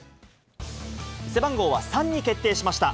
背番号は３に決定しました。